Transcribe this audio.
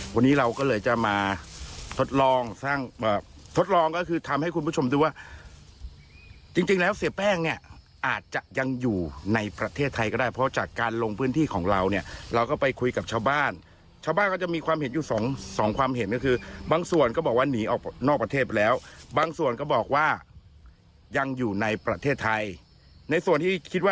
วันนี้เราก็เลยจะมาทดลองสร้างทดลองก็คือทำให้คุณผู้ชมดูว่าจริงแล้วเสียแป้งเนี่ยอาจจะยังอยู่ในประเทศไทยก็ได้เพราะจากการลงพื้นที่ของเราเนี่ยเราก็ไปคุยกับชาวบ้านชาวบ้านก็จะมีความเห็นอยู่สองสองความเห็นก็คือบางส่วนก็บอกว่าหนีออกนอกประเทศไปแล้วบางส่วนก็บอกว่ายังอยู่ในประเทศไทยในส่วนที่คิดว่า